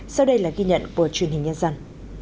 sau đây là ghi nhận của truyền hình nhân dân